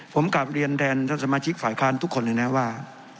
ผมกลับเรียนแทนท่านสมาชิกฝ่ายค้านทุกคนเลยนะว่า